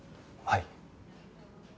はい。